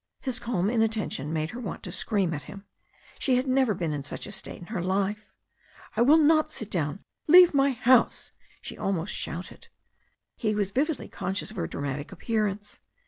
His calm inattention made her want to scream at hioL She had never been in such a state in her life. "I will not sit down. Leave my house," she almost shouted. He was vividly conscious of her dramatic appearance.